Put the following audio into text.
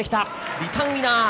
リターンイナー。